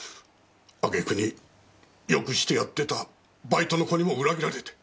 あげくに良くしてやってたバイトの子にも裏切られて。